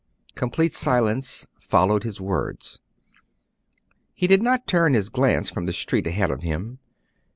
Complete silence followed his words. He did not turn his glance from the street ahead of him.